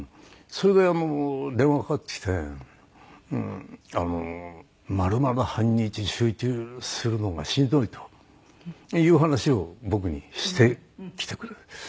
それで電話かかってきて丸々半日集中するのがしんどいという話を僕にしてきてくれて。